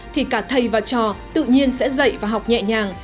thì cả thầy và trò tự nhiên sẽ dạy và học nhẹ nhàng